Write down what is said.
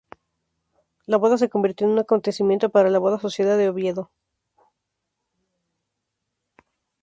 La boda se convirtió en un acontecimiento para la alta sociedad de Oviedo.